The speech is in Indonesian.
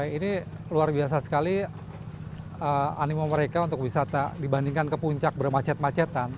ini luar biasa sekali animo mereka untuk wisata dibandingkan ke puncak bermacet macetan